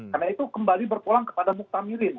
karena itu kembali berpulang kepada muqtamirin